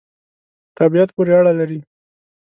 طبعیت پوری اړه لری